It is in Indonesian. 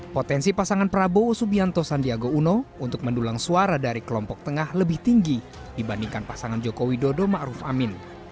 potensi pasangan prabowo subianto sandiagaono untuk mendulang suara dari kelompok tengah lebih tinggi dibandingkan pasangan joko widodo maruf amin